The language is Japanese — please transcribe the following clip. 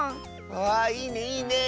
あいいねいいねえ。